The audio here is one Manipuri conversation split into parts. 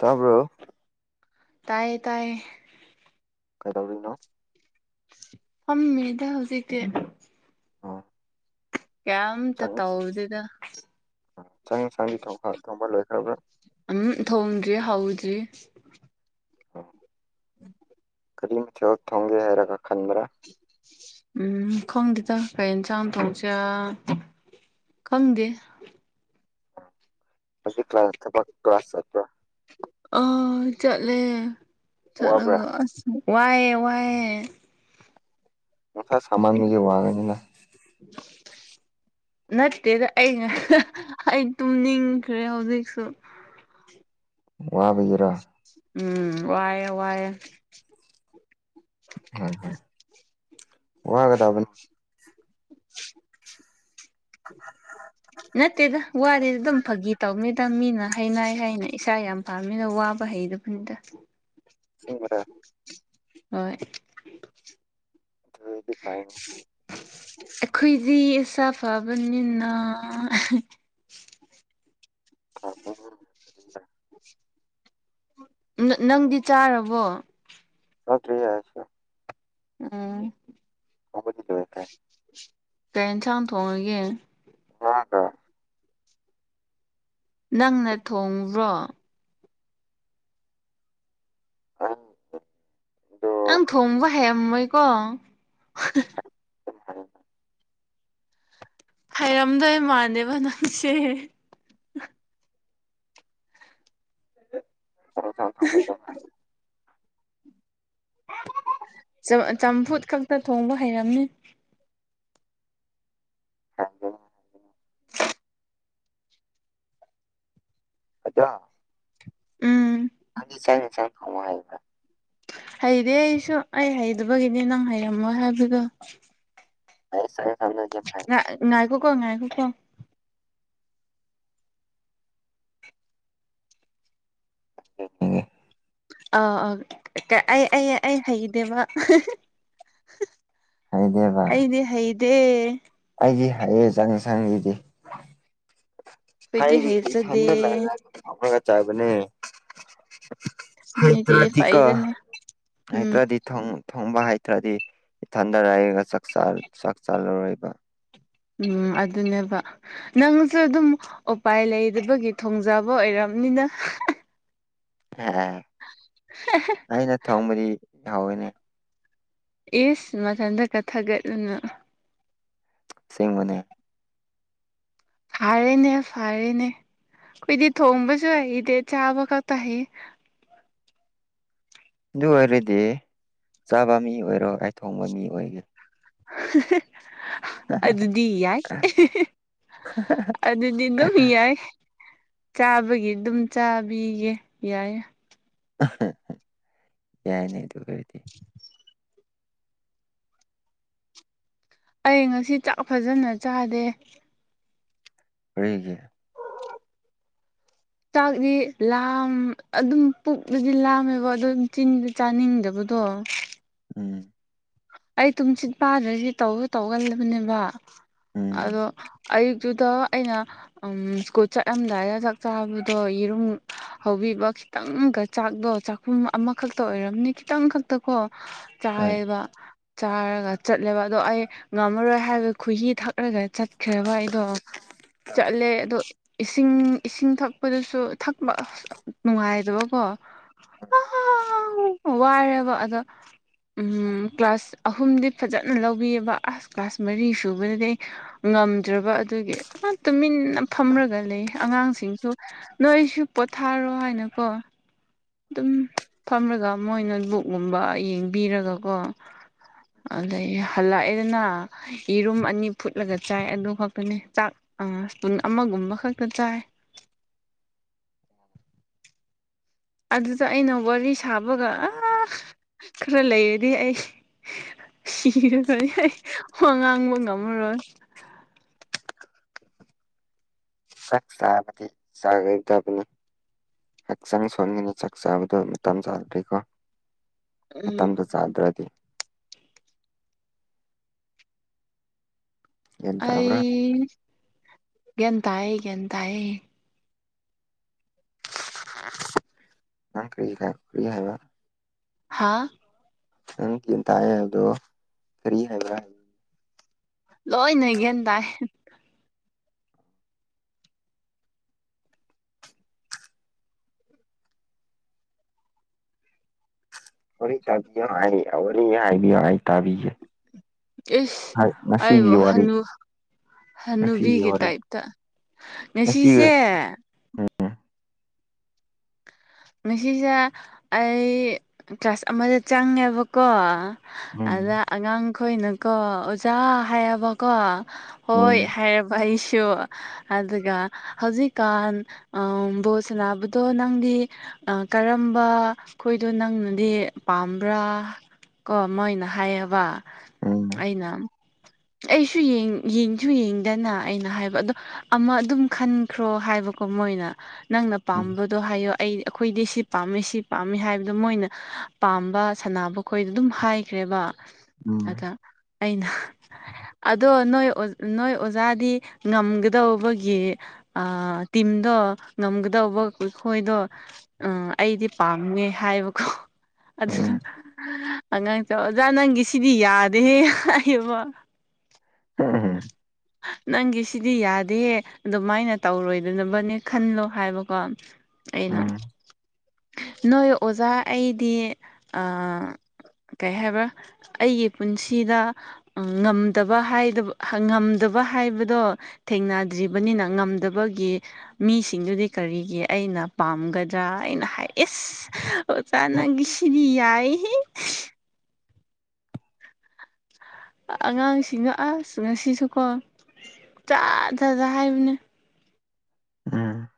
ꯇꯕ꯭ꯔꯣ ꯇꯥꯏꯌꯦ ꯇꯥꯏꯌꯦ ꯀꯩꯗꯧꯔꯤꯅꯣ ꯐꯝꯃꯦꯗ ꯍꯧꯖꯤꯛꯦ ꯀꯩꯝꯇ ꯆꯪ ꯇꯧꯗꯦꯗ ꯆꯪ ꯆꯪꯉꯦꯡ ꯊꯣꯡꯕ ꯂꯩꯈ꯭ꯔꯕ꯭ꯔꯥ ꯎꯝ ꯊꯣꯡꯗ꯭ꯔꯤ ꯍ ꯍꯧꯗ꯭ꯔꯤ ꯍꯣꯏ ꯀꯔꯤꯝ ꯆꯣ ꯊꯣꯡꯒꯦ ꯍꯥꯏꯔꯒ ꯈꯟꯕ꯭ꯔꯥ ꯎꯝ ꯈꯪꯗꯦꯗ ꯀꯔꯤ ꯏꯟꯁꯥꯡ ꯊꯣꯡꯁꯦ ꯈꯪꯗꯦ ꯍꯧꯖꯤꯛ ꯀ꯭ꯂꯥꯁ ꯊꯕꯛ ꯀ꯭ꯂꯥꯁ ꯆꯠꯇ꯭ꯔ ꯑ ꯆꯠꯂꯦ ꯋꯥꯕ꯭ꯔꯥ ꯆꯠꯂꯒ ꯑꯁ ꯋꯥꯏꯑꯦ ꯋꯥꯏꯑꯦ ꯑꯣꯣꯊꯥ ꯁꯝꯃꯝꯖꯧ ꯋꯥꯒꯩꯅꯤ ꯅꯥ [inaudible] [unintelligible] ꯅꯠꯇꯦꯗ ꯑꯩ ꯉ ꯑꯩ ꯇꯨꯝꯅꯤꯡꯈ꯭ꯔꯦ ꯍꯧꯖꯤꯛꯁꯨ ꯋꯥꯕꯒꯔ ꯎꯝ ꯋꯥꯌꯦꯦ ꯋꯥꯑꯦ ꯍꯣꯏ ꯍꯣꯏ ꯋꯥꯒꯗꯕꯅꯤ ꯅꯠꯇꯗ ꯋꯥꯗꯤꯗꯝ ꯐꯥꯒꯤ ꯇꯧꯅꯤꯗ ꯃꯤꯅ ꯍꯅ ꯍꯥꯏꯅ ꯏꯁꯥ ꯌꯥꯝ ꯐꯥꯝꯃꯤꯅ ꯋꯥꯕ ꯍꯩꯗꯕꯅꯤꯗ ꯁꯤꯁꯤꯡꯕꯔꯥ [inaudible] ꯍꯣꯏ ꯑꯗꯨꯗꯤ ꯐꯥꯏꯟ ꯑꯩꯈꯣꯏꯗꯤ ꯑꯁꯥ ꯐꯕꯅꯤꯅ ꯈꯗ [unintelligible] ꯅꯪꯗꯤ ꯆꯥꯔꯕꯣ ꯍ ꯊꯔꯤ ꯌꯥꯁꯤ ꯎꯝ ꯍꯅꯤꯗꯦꯦ ꯆ ꯌꯦꯟꯁꯥꯡ ꯊꯣꯡꯉꯒꯦ ꯍ ꯀ ꯅꯪꯅ ꯊꯣꯡꯕ꯭ꯔꯣ ꯑꯗ ꯅꯪ ꯊꯣꯡꯕ ꯍꯩꯔꯝꯃꯣꯏꯀꯣ ꯎ [unintelligible] ꯍꯩꯔꯝꯗꯣꯏ ꯃꯥꯟꯗꯦꯕꯅ ꯁꯦ ꯎ ꯎ [inaudible] ꯆꯝꯐꯨꯠ ꯈꯛꯇ ꯊꯣꯡꯕ ꯍꯩꯔꯝꯅꯤ ꯍꯥꯏ ꯍꯥꯏ ꯑꯆꯥꯥ ꯎꯝ ꯅꯤ ꯆ ꯆꯪ ꯊꯃ ꯍꯥꯏ [unintelligible] ꯍꯩꯔꯦ ꯑꯩꯁꯨ ꯑꯩ ꯍꯩꯗꯕꯒꯤꯅꯦ ꯅꯪ ꯍꯩꯔꯝꯃꯣꯢ ꯍꯥꯏꯕꯗꯣ ꯑꯩ ꯁꯥꯏꯦꯝ ꯉꯥꯏꯈꯥꯀꯣꯉꯥꯏꯈꫭꯀꫭ [unintelligible] ꯑꯥ ꯑ ꯑꯩ ꯑꯩ ꯑꯩ ꯍꯩꯗꯦꯕ ꯑꯩꯗꯤ ꯍꯩꯗꯦ ꯑꯩꯒꯤ ꯍꯌꯦ ꯆꯪꯁꯪꯒꯤꯗꯤ ꯍꯥꯏꯕꯤꯒꯤ ꯍꯩꯖꯗꯦ ꯏꯊꯟꯗ [unintelligible] ꯆꯥꯕꯅꯦ ꯃꯤꯗꯤ ꯍꯩꯗ꯭ꯔꯗꯤ ꯀꫭ ꯐꯩꯗꯅ ꯎꯝ ꯍꯩꯗ꯭ꯔꯗꯤ ꯊꯣ ꯊꫭꯡꯕ ꯍꯩꯇ꯭ꯔꯗꯤ ꯏꯊꯟꯗ ꯂꯩꯔꯒ ꯆꯥꯛ ꯆꯥꯂꯔꯣꯏꯕ ꯎꯝ ꯑꯗꯨꯅꯦꯕ ꯅꯪꯁꯨ ꯑꯗꯨꯝ ꯎꯄꯥꯏ ꯂꯩꯗꯕꯒꯤ ꯊꯣꯡꯖꯕ ꯑꯣꯏꯔꯝꯅꯤꯅ [unintelligible] [unintelligible] ꯑꯩꯅ ꯊꯣꯡꯕꯗꯤ ꯌꯥꯋꯦꯅꯦ ꯏꯁ ꯃꯊꯟꯇꯀ ꯊꯥꯒꯠꯂꯅ ꯑꯁꯤꯡꯕꯅꯦ ꯐꯔꯦꯅꯦ ꯐꯔꯦꯅꯦ ꯑꯩꯈꯏꯗꯤ ꯊꯣꯡꯕꯁꯨ ꯍꯗꯦ ꯆꯥꯕ ꯈꯛꯇ ꯍꯩ ꯑꯗꯨ ꯑꯣꯏꯔꯗꯤ ꯆꯥꯕ ꯃꯤ ꯑꯣꯏꯔꯣ ꯑꯩꯥꯏ ꯊꯣꯡꯕ ꯃꯤ ꯑꯣꯏꯒꯦ ꯑꯗꯨꯗꯤ ꯌꯥꯏ ꯑꯗꯨꯗꯤ ꯑꯗꯨꯝ ꯌꯥꯏ ꯆꯥꯕꯒꯤ ꯑꯗꯨꯝ ꯆꯥꯕꯤꯒꯦ ꯌꯥꯏ ꯌꯥꯏꯅꯦ ꯗꯨ ꯑꯣꯏꯔꯗꯤ ꯑꯩ ꯉꯁꯤ ꯆꯥꯛ ꯐꯖꯅ ꯆꯥꯗꯦ ꯀꯔꯤꯒꯤ ꯆꯥꯛꯗꯤ ꯂꯥꯝ ꯑꯗꯨꯝ ꯄꯨꯛꯗꯗꯤ ꯂꯥꯝꯃꯦꯕ ꯑꯗꯨꯝ ꯆꯤꯟ ꯆꯥꯅꯤꯡꯗꯕꯗꯣ ꯎꯝ ꯑꯩ ꯇꯨꯝꯆꯤꯠ ꯄꯥꯗ꯭ꯔꯗꯤ ꯇꯧꯁꯨ ꯇꯧꯒꯜꯂꯤꯕꯅꯦꯕ ꯎꯝ ꯑꯗꯣ ꯑꯌꯨꯛꯇꯨꯗ ꯑꯩꯅ ꯎꯝ ꯁ꯭ꯀꯨꯜ ꯆꯠꯂꯝꯗꯥꯏꯗ ꯆꯥꯛ ꯆꯥꯕꯗꯣ ꯌꯦꯔꯨꯝ ꯍꯧꯕꯤꯕ ꯈꯤꯇꯪꯒ ꯆꯥꯛꯗꯣ ꯆꯥꯛꯈꯨꯝ ꯑꯃꯈꯛꯇ ꯑꯣꯏꯔꯝꯅꯤ ꯈꯤꯇꯪ ꯈꯛ ꯇꯀꫭ ꯍꯣꯏ ꯆꯥꯏꯑꯕ ꯆꯥꯔꯒ ꯆꯠꯂꯦꯕ ꯑꯗꯣ ꯑꯩ ꯉꯝꯃꯔꯣꯏ ꯍꯥꯏꯕ ꯈꯨꯍꯤ ꯊꯛ ꯔꯒ ꯆꯠꯈ꯭ꯔꯦꯕ ꯑꯩꯗꯣ ꯆꯠꯂꯦ ꯑꯗꯣ ꯏꯁꯤꯡ ꯏꯁꯤꯡ ꯊꯛꯄꯗꯁꯨ ꯊꯛꯄ ꯅꯨꯡꯉꯥꯏꯗꯕꯀꯣ [inaudible] ꯋꯥꯏꯔꯌꯦꯕ ꯑꯗ ꯎꯝ ꯀ꯭ꯂꯥꯁ ꯑꯍꯨꯝꯗꯤ ꯐꯖꯅ ꯂꯧꯕꯤꯑꯕ ꯑꯥꯁ ꯀ꯭ꯂꯥꯁ ꯃꯔꯤ ꯁꯨꯕꯗꯗꯤ ꯑꯩ ꯉꯝꯗ꯭ꯔꯕ ꯑꯗꯨꯒꯤ ꯑ ꯇꯨꯃꯤꯟꯅ ꯐꯝꯔꯒ ꯂꯩ ꯑꯉꯥꯡꯁꯤꯡꯁꯨ ꯅꯣꯏꯁꯨ ꯄꯣꯊꯥꯔꯣ ꯍꯥꯏꯅꯀꯣ ꯑꯗꯨꯝ ꯐꯝꯃꯒ ꯃꯣꯏꯅ ꯕꯨꯛꯀꯨꯝꯕ ꯌꯦꯡꯕꯤꯔꯒꯀꯣ ꯑꯗꯒꯤ ꯍꯜꯂꯛꯑꯦꯗꯅ ꯌꯦꯔꯨꯝ ꯑꯅꯤ ꯐꯨꯠꯂꯒ ꯆꯥꯏ ꯑꯗꯨ ꯈꯛꯇꯅꯤ ꯆꯥꯛ ꯏꯁꯄꯨꯟ ꯑꯃꯒꯨꯝꯕ ꯈꯛꯇ ꯆꯥꯏ ꯑꯗꯨꯗ ꯑꯩꯅ ꯋꯥꯔꯤ ꯁꯥꯕꯒ ꯑ ꯈꯔ ꯂꯩꯔꯗꯤ ꯑꯩ ꯁꯤꯔ ꯋꯥ ꯉꯥꯡꯕ ꯉꯝꯃꯔꯣꯏ ꯆꯥꯛ ꯆꯥꯕꯗꯤ ꯆꯥꯅꯤꯡꯗꯕꯅꯤ ꯍꯛꯆꯥꯡ ꯁꯣꯝꯒꯤꯅꯤ ꯆꯥꯛ ꯆꯥꯕꯗꯣ ꯃꯇꯝ ꯆꯥꯗ꯭ꯔꯤꯀꯣ ꯎꯝ ꯃꯇꯝꯗꯣ ꯆꯥꯗ꯭ꯔꯗꯤ ꯒ꯭ꯌꯥꯟ ꯇꯥꯕ꯭ꯔꯥ ꯑꯩ ꯒ꯭ꯌꯥꯟ ꯇꯥꯏꯌꯦ ꯒ꯭ꯌꯥꯟ ꯇꯥꯥꯏꯌꯦ ꯅꯪ ꯀꯔꯤꯔ ꯀꯔꯤ ꯍꯥꯏꯕ ꯍꯥꯥ ꯅꯪ ꯇꯤꯝ ꯇꯥꯏ ꯍꯥꯏꯕꯗꯣ ꯀꯔꯤ ꯍꯥꯏꯕ꯭ꯔꯥ ꯂꯣꯏꯅ ꯒ꯭ꯌꯥꯟ ꯇꯥꯏ ꯋꯥꯔꯤ ꯇꯥꯕꯤꯌꯥ ꯍꯥꯏ ꯑ ꯋꯥꯔꯤ ꯍꯥꯏꯕꯤꯌꫭ ꯑꯩ ꯇꯥꯕꯤꯒꯦ ꯏꯁ ꯑꯩꯕꯨ ꯉꯁꯤꯒꯤ ꯋꯥꯔꯤ ꯍꯟꯅꯨ ꯉꯁꯤꯒꯤ ꯍꯟꯅꯨꯕꯤꯒꯤ ꯋꯥꯔꯤ ꯇꯥꯏꯞꯇ ꯉꯁꯤ ꯉꯁꯤꯁꯦ ꯎꯝ ꯉꯁꯤꯁꯦ ꯑꯩ ꯀ꯭ꯂꯥꯁ ꯑꯃꯗ ꯆꯪꯉꯦꯕꯀꯣ ꯎꯝ ꯑꯗ ꯑꯉꯥꯡꯈꯣꯏꯅꯀꯣ ꯑꯣꯖꯥ ꯍꯥꯏꯕꯀꯣ ꯍꯣꯏ ꯎꯝ ꯍꯥꯏꯔꯕ ꯑꯩꯁꯨ ꯑꯗꯨꯒ ꯍꯧꯖꯤꯛꯀꯥꯟ ꯑꯥ ꯕꯣꯜ ꯁꯟꯅꯕꯗꯣ ꯅꯪꯗꯤ ꯀꯔꯝꯕ ꯈꯣꯏꯗꯣ ꯅꯪꯅꯗꯤ ꯄꯥꯝꯕ꯭ꯔꯥ ꯀꯣ ꯃꯣꯏꯅ ꯍꯥꯏꯌꯦꯕ ꯎꯝ ꯑꯩꯅ ꯑꯩꯁꯨ ꯌꯦꯡ ꯌꯦꯡꯁꯨ ꯌꯦꯡꯗꯅ ꯑꯩꯅ ꯍꯥꯏꯕ ꯑꯗꯣ ꯑꯃ ꯑꯗꯨꯝ ꯈꯟ ꯈ꯭ꯔꯣ ꯍꯥꯏꯕꯀꯣ ꯃꯣꯏꯅ ꯅꯪꯅ ꯎꯝ ꯄꯥꯝꯕꯗꯣ ꯍꯥꯏꯌꯣ ꯑꯩ ꯑꯩꯈꯣꯏꯗꯤ ꯁꯤ ꯄꯥꯝꯃꯦ ꯁꯤ ꯄꯥꯝꯃꯤ ꯍꯥꯏꯕꯗꯣ ꯃꯣꯏꯅ ꯄꯥꯝꯕ ꯁꯥꯟꯅꯕ ꯑꯩꯈꯣꯏꯗ ꯑꯗꯨꯝ ꯍꯥꯏꯈ꯭ꯔꯦꯕ ꯎꯝ ꯑꯗ ꯑꯩꯅ ꯑꯗꯣ ꯅꯣꯏ ꯑꯣ ꯅꯣꯏ ꯑꯣꯖꯥꯗꯤ ꯉꯝꯒꯗꯧꯕꯒꯤ ꯑ ꯇꯤꯝꯗꯣ ꯉꯝꯒꯗꯧꯕ ꯃꯈꯣꯏꯗꯣ ꯎꯝ ꯑꯩꯗꯤ ꯄꯥꯝꯉꯦ ꯍꯥꯏꯕꯀꯣ ꯑꯗꯨꯗꯣ ꯎꯝ ꯑꯉꯥꯡꯇꯣ ꯑꯣꯖꯥ ꯅꯪꯒꯤ ꯁꯤꯗꯤ ꯌꯥꯗꯦꯍꯦ ꯍꯥꯏꯕ [unintelligible] ꯅꯪꯒꯤ ꯁꯤꯗꯤ ꯌꯥꯗꯤꯌꯦ ꯑꯗꯨꯃꯥꯏꯅ ꯇꯧꯔꯣꯏꯗꯅꯕꯅꯦ ꯈꯟꯂꯣ ꯍꯥꯏꯕꯀꯣ ꯑꯩꯅ ꯎꯝ ꯅꯣꯏ ꯑꯣꯖꯥ ꯑꯩꯗꯤ ꯑ ꯀꯩ ꯍꯥꯏꯕ ꯑꯩꯒꯤ ꯄꯨꯟꯁꯤꯗ ꯉꯝꯗꯕ ꯍꯥꯏꯗ ꯉꯝꯗꯕ ꯍꯥꯏꯕꯗꯣ ꯊꯦꯡꯅꯗ꯭ꯔꯤꯕꯅꯤꯅ ꯉꯝꯗꯕꯒꯤ ꯃꯤꯁꯤꯡꯗꯨꯗꯤ ꯀꯔꯤꯒꯤ ꯑꯩꯅ ꯄꯥꯝꯒꯗ꯭ꯔꯥ ꯑꯩꯅ ꯍꯥꯏ ꯏꯁ ꯑꯣꯖꯥ ꯅꯪꯒꯤ ꯁꯤꯗꯤ ꯌꯥꯏ ꯍꯦ ꯑꯉꯥꯡꯁꯤꯡꯅ ꯑꯁ ꯉꯁꯤꯁꯨꯀꯣ ꯖꯥ ꯖꯥꯠ ꯖꯥꯠ ꯍꯥꯏꯕꯅꯦ ꯎꯝ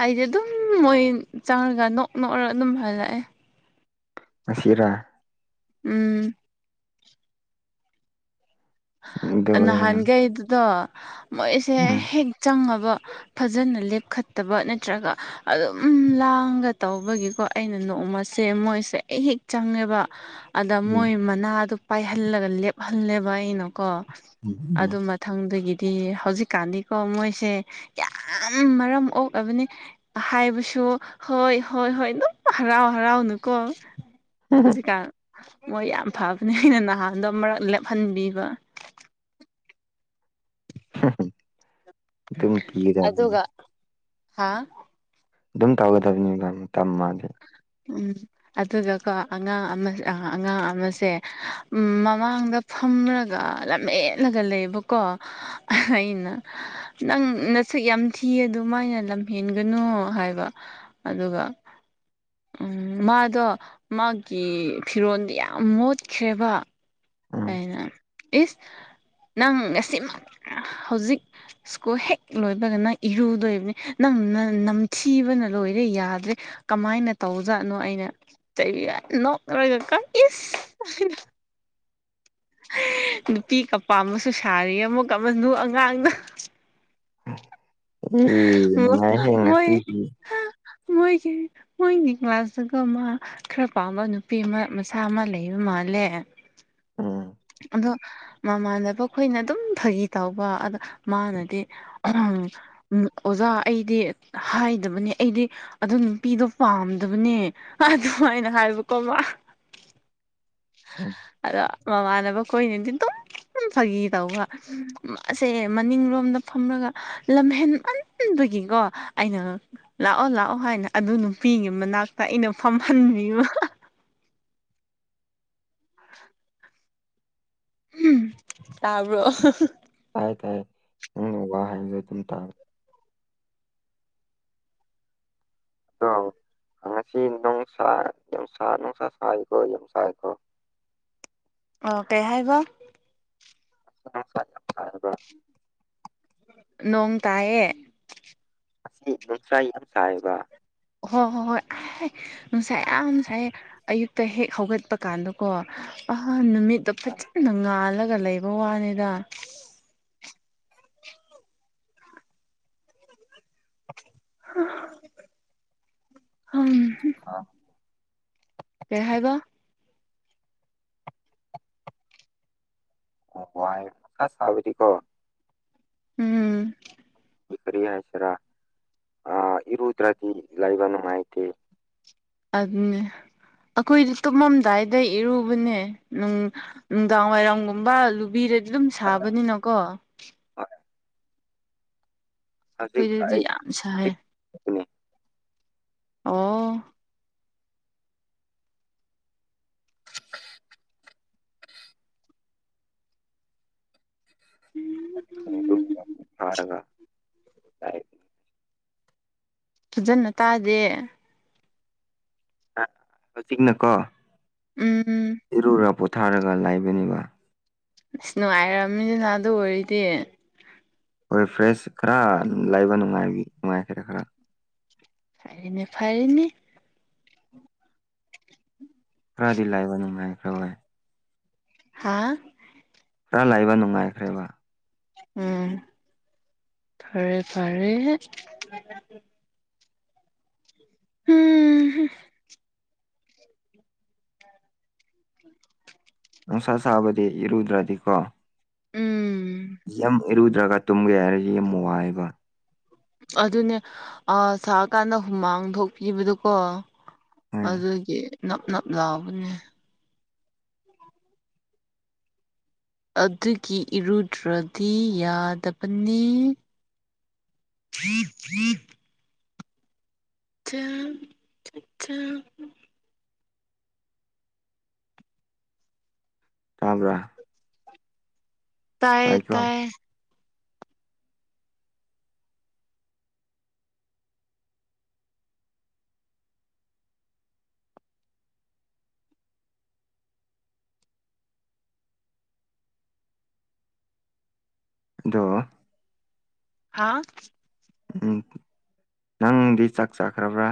ꯑꯩꯖꯨ ꯑꯗꯨꯝ ꯃꯣꯏ ꯆꯪꯑꯥꯒ ꯅꯣꯛ ꯅꯣꯛꯔꯥꯒ ꯑꯗꯨꯝ ꯍꯟꯂꯛꯑꯦ ꯑꯁꯤꯔꯥ ꯎꯝ ꯑꯗꯨ ꯑꯣꯏꯒꯅꯤ ꯅꯍꯥꯟꯒꯩꯗꯣ ꯃꯣꯏꯁꯦ ꯎꯝ ꯍꯦꯛ ꯆꯪꯉꯕ ꯐꯖꯅ ꯂꯦꯞꯈꯠꯇꯕ ꯅꯠꯇ꯭ꯔꯒ ꯑꯗꯨꯝ ꯂꯥꯡꯑꯒ ꯇꯧꯕꯒꯤꯀꯣ ꯑꯩꯅ ꯅꯣꯡꯃꯁꯦ ꯃꯣꯏꯁꯦ ꯑꯩ ꯍꯦꯛ ꯆꯪꯉꯦꯕ ꯑꯗ ꯃꯣꯏ ꯃꯅꯥꯗ ꯄꯥꯏꯍꯜꯂꯒ ꯂꯦꯞꯍꯜꯂꯦꯕ ꯑꯩꯅꯀꯣ ꯎꯝ ꯑꯗꯨ ꯎꯝ ꯃꯊꯪꯗꯒꯤꯗꯤ ꯍꯧꯖꯤꯛꯀꯥꯟꯗꯤꯀꯣ ꯃꯣꯏꯁꯦ ꯌꯥꯝ ꯃꯔꯝ ꯑꯣꯛꯑꯕꯅꯤ ꯍꯥꯏꯕꯁꯨ ꯍꯣꯏ ꯍꯣꯏ ꯍꯣꯏ ꯑꯗꯨꯝ ꯍꯔꯥꯎ ꯍꯔꯥꯎ ꯅꯀꯣ ꯍꯧꯖꯤꯛꯀꯥꯟ ꯃꯣꯏ ꯌꯥꯝ ꯐꯕꯅꯦ ꯑꯩꯅ ꯅꯍꯥꯟꯗꯣ ꯃꯔꯛ ꯂꯦꯞꯍꯟꯕꯤꯕ [unintelligible] ꯑꯗꯨꯝ ꯄꯤꯒꯗꯕꯅꯤ ꯑꯗꯨꯒ ꯍꯥ ꯑꯗꯨꯝ ꯇꯧꯒꯗꯕꯅꯤ ꯇꯝ ꯃꯥꯗꯤ ꯎꯝ ꯑꯗꯨꯒꯀꯣ ꯑꯉꯥꯡ ꯑꯃ ꯑ ꯑꯉꯥꯡ ꯑꯃꯁꯦ ꯃꯃꯥꯡꯗ ꯐꯝꯔꯒ ꯂꯝꯍꯦꯟꯂꯒ ꯂꯩꯕꯀꯣ ꯑꯩꯅ ꯅꯪ ꯅꯁꯨꯛ ꯌꯥꯝ ꯊꯤ ꯑꯗꯨ ꯃꯥꯏꯅ ꯂꯝꯍꯦꯟꯒꯅꯨ ꯍꯥꯏꯕ ꯑꯗꯨꯒ ꯃꯥꯗꯣ ꯃꯥꯒꯤ ꯐꯤꯔꯣꯟꯜꯗꯤ ꯌꯥꯝ ꯃꯣꯠꯈ꯭ꯔꯦꯕ ꯎꯝ ꯑꯩꯅ ꯏꯁ ꯅꯪ ꯉꯁꯤꯃꯛ ꯍꯧꯖꯤꯛ ꯁ꯭ꯀꯨꯜ ꯍꯦꯛ ꯂꯣꯏꯕꯒ ꯅꯪ ꯏꯔꯨꯗꯣꯏꯕꯅꯤ ꯅꯪ ꯅꯝꯊꯤꯕꯅ ꯂꯣꯏꯔꯦ ꯌꯥꯗ꯭ꯔꯦ ꯀꯃꯥꯏꯅ ꯇꯧꯖꯥꯠꯅꯣ ꯑꯩꯅ ꯆꯩ ꯅꯣꯛꯂꯔꯒ ꯀꯣ ꯏꯁ ꯅꯨꯄꯤꯀꯥ ꯄꯥꯝꯕꯁꯨ ꯁꯥꯔꯤ ꯑꯦ ꯑꯃꯨꯛꯀ ꯑꯃꯅꯨ ꯑꯉꯥꯡꯗ ꯑꯦ ꯅꯨꯡꯉꯥꯏꯍꯦ [unintelligible] ꯃꯣꯏ ꯉꯁꯤꯒꯤ [unintelligible] ꯃꯣꯏꯒꯤ ꯃꯣꯏꯒꯤ ꯀ꯭ꯂꯥꯁ ꯇꯥꯀꯣ ꯃꯥ ꯈꯔ ꯄꯥꯝꯕ ꯅꯨꯄꯤ ꯑꯃ ꯃꯁꯥ ꯑꯃ ꯂꯩꯕ ꯃꯥꯜꯂꯦ ꯎꯝ ꯑꯗꯣ ꯃꯃꯥꯟꯅꯕ ꯑꯩꯈꯣꯏꯅ ꯑꯗꯨꯝ ꯐꯥꯒꯤ ꯇꯧꯕ ꯑꯗ ꯃꯥꯅꯗꯤ ꯎꯝ ꯎꯝ ꯑꯣꯖꯥ ꯑꯩꯗꯤ ꯍꯥꯏꯗꯕꯅꯤ ꯑꯩꯗꯤ ꯑꯗꯨ ꯅꯨꯄꯤꯗꯣ ꯄꯥꯝꯗꯕꯅꯦ ꯑꯗꯨꯃꯥꯏꯅ ꯍꯥꯏꯕꯀꯣ ꯃꯥ꯫ [unintelligible] [unintelligible] ꯑꯗꯣ ꯃꯃꯥꯟꯅꯕ ꯈꯣꯏꯅꯗꯤ ꯑꯗꯨꯝ ꯐꯥꯒꯤ ꯇꯧꯕ꯫ ꯃꯥꯁꯦ ꯃꯅꯤꯡꯂꯣꯝꯗ ꯐꯝꯂꯒ ꯂꯝꯍꯦꯟꯃꯟꯕꯒꯤꯀꯣ ꯑꯩꯅ ꯂꯥꯛꯑꯣ-ꯂꯥꯛꯑꯣ ꯍꯥꯏꯅ ꯑꯗꯨ ꯅꯨꯄꯤꯒꯤ ꯃꯅꯥꯛꯇ ꯑꯩꯅ ꯐꯝꯍꯟꯕꯤꯕ꯫ [unintelligible] ꯎꯝ ꯇꯕ꯭ꯔꫭ꯫ ꯇꯥꯏ-ꯇꯥꯏ ꯅꯪꯅ ꯋꯥ ꯍꯥꯏꯕꯗꯨ ꯑꯗꯨꯝ ꯇꯥꯏ꯫ [inaudible] ꯑꯣ ꯀꯩ ꯍꯥꯏꯕ꯫ [unintelligible] [inaudible] ꯅꯣꯡ ꯇꯥꯏꯌꯦ꯫ ꯑꯁꯤ ꯅꯨꯡꯁꯥ ꯌꯥꯝ ꯁꯥꯏꯕ꯫ ꯍꫭ ꯍꫭ ꯍꯣꯏ꯫ ꯅꯨꯡꯁꯥ ꯌꯥꯝ ꯁꯥꯏ ꯑꯌꯨꯛꯇ ꯍꯦꯛ ꯍꯧꯒꯠꯄ ꯀꯥꯟꯗꯀꯣ ꯑꯍꯥꯟ ꯅꯨꯃꯤꯠꯇꯣ ꯐꯖꯅ ꯉꯥꯜꯂꯒ ꯂꯩꯕ ꯋꯥꯅꯤꯗ꯫ [unintelligible] ꯍꯥ꯫ ꯀꯩ ꯍꯥꯏꯕ꯫ [inaudible] ꯎꯝ꯫ ꯀꯔꯤ ꯍꯥꯏꯁꯤꯔꯥ ꯑꯥ ꯏꯔꯨꯗ꯭ꯔꯗꯤ ꯂꯩꯕ ꯅꯨꯡꯉꯥꯏꯇꯦ꯫ ꯑꯗꯨꯅꯦ ꯑꯈꯣꯏꯗꯤ ꯇꯨꯝꯃꯝꯗꯥꯏꯗ ꯏꯔꯨꯕꯅꯦ ꯅꯨꯡ ꯅꯨꯡꯗꯥꯡ ꯋꯥꯏꯔꯝꯒꯨꯝꯕ ꯂꯨꯕꯤꯔꯗꯤ ꯑꯗꯨꯝ ꯁꯥꯕꯅꯤꯅꯀꯣ꯫ ꯍꯣꯏ, ꯍꯧꯖꯤꯛ ꯑꯩꯈꯣꯏꯗꯗꯤ ꯑꯩ꯫ ꯌꯥꯝ ꯁꯥꯏ [inaudible] ꯑꯣ꯫ [inaudible] ꯐꯖꯅ ꯇꯥꯗꯦ꯫ ꯑꯥ ꯍꯧꯖꯤꯛꯅꯀꯣ ꯎꯝ꯫ ꯏꯔꯨꯔ ꯄꯣꯊꯥꯔꯒ ꯂꯥꯏꯕꯅꯤꯕ꯫ ꯑꯁ ꯅꯨꯡꯉꯥꯏꯔꯝꯅꯤꯅ ꯑꯗꯨ ꯑꯣꯏꯔꯤꯗꯤ꯫ ꯍꯣꯏ ꯐ꯭ꯔꯦꯁ ꯈꯔ ꯂꯩꯕ ꯅꯨꯡꯉꯥꯏꯕꯤ ꯅꯨꯡꯉꯥꯏ꯭ꯈꯔꯦ ꯈꯔ꯫ ꯐꯔꯦꯅꯦ ꯐꯔꯦꯅꯤ꯫ ꯈꯔꯗꯤ ꯂꯥꯏꯕ ꯅꯨꯡꯉꯥꯏꯈ꯭ꯔꯦ ꯍꯣꯏ꯫ ꯍꯥꯥ꯫ ꯈꯔ ꯂꯩꯕ ꯅꯨꯡꯉꯥꯏꯈ꯭ꯔꯦꯕ꯫ ꯎꯝ ꯐꯔꯦ-ꯐꯔꯦ꯫ [unintelligible] [unintelligible] ꯅꯨꯡꯁꯥ ꯁꯥꯕꯗꯤ ꯏꯔꯨꯗ꯭ꯔꯗꯤ ꯀꯣ ꯎꯝ꯫ ꯌꯥꯝ ꯏꯔꯨꯗ꯭ꯔꯒ ꯇꯨꯝꯒꯦ ꯍꯥꯏꯔꯗꯤ ꯌꯥꯝ ꯋꯥꯏꯑꯦꯕ꯫ ꯑꯗꯨꯅꯦ ꯁꯥꯔꯀꯥꯟꯗ ꯍꯨꯃꯥꯡ ꯊꯣꯛꯄꯤꯕꯗꯨꯀꯣ꯫ ꯎꯝ ꯑꯗꯨꯒꯤ ꯅꯞ-ꯅꯞ ꯂꯥꯎꯕꯅꯦ꯫ ꯑꯗꯨꯒꯤ ꯏꯔꯨꯗ꯭ꯔꯗꯤ ꯌꯥꯗꯕꯅꯤ ꯐ꯭ꯔꯤ ꯐ꯭ꯔꯤ [inaudible] ꯆ ꯆ [inaudible] ꯇꯥꯕꯥꯔ ꯇꯥꯏꯌꯦ ꯇꯥꯏꯀꯣ ꯇꯥꯏꯌꯦ ꯑꯗꯣ ꯍꯥꯥ ꯎꯝ ꯅꯪꯗꯤ ꯆꯥꯛ ꯆꯥꯈ꯭ꯔꯕ꯭ꯔꯥ